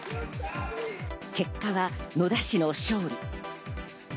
結果は野田氏の勝利。